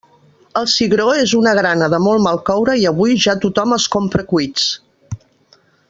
El cigró és una grana de molt mal coure i avui ja tothom els compra cuits.